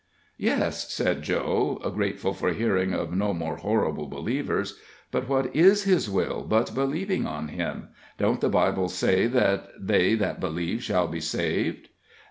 "Yes," said Joe, grateful for hearing of no more horrible believers, "but what is his will but believing on him? Don't the Bible say that they that believe shall be saved?"